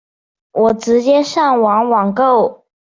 我直接上网网购